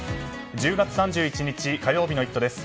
１０月３１日、火曜日の「イット！」です。